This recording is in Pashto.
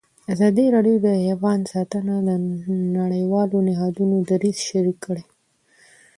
ازادي راډیو د حیوان ساتنه د نړیوالو نهادونو دریځ شریک کړی.